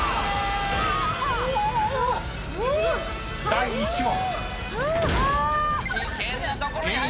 ［第１問］